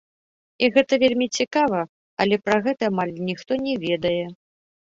І гэта вельмі цікава, але пра гэта амаль ніхто не ведае.